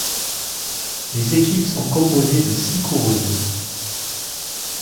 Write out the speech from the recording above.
Les équipes sont composées de six coureuses.